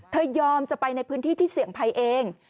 ยอมจะไปในพื้นที่ที่เสี่ยงภัยเอง